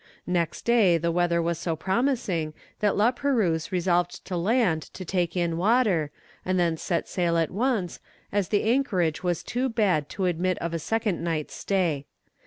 Next day the weather was so promising that La Perouse resolved to land to take in water, and then set sail at once, as the anchorage was too bad to admit of a second night's stay.